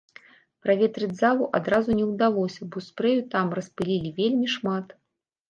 Праветрыць залу адразу не ўдалося, бо спрэю там распылілі вельмі шмат.